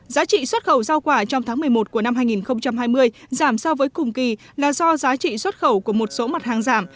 giá trị xuất khẩu rau quả trong tháng một mươi một của năm hai nghìn hai mươi giảm so với cùng kỳ là do giá trị xuất khẩu của một số mặt hàng giảm